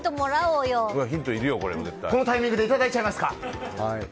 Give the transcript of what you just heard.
このタイミングでいただいちゃいますか。